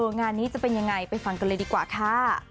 งานนี้จะเป็นยังไงไปฟังกันเลยดีกว่าค่ะ